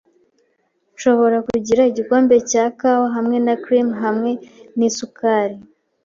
Nshobora kugira igikombe cya kawa hamwe na cream hamwe nisukari?